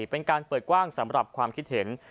เป็นการเปิดกว้างสำหรับความคิดเห็น